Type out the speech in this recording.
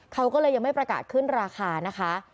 เขาก็เลยยังไม่ประกาศขึ้นราคานะคะ